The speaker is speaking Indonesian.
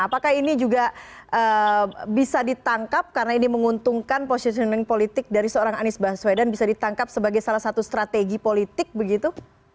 apakah ini juga bisa ditangkap karena ini menguntungkan positioning politik dari seorang anies baswedan bisa ditangkap sebagai salah satu strategi politik begitu